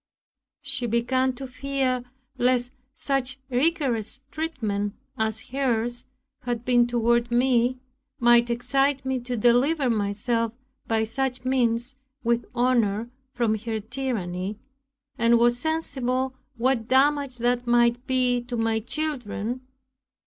She began to fear lest such rigorous treatment, as hers had been toward me, might excite me to deliver myself by such means, with honor, from her tyranny, and was sensible what damage that might be to my children.